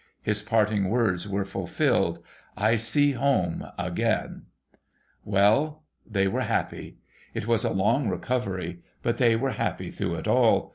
His parting words were fulfilled. I see Home again !' Well ! They were happy. It was a long recovery, but they were happy through it all.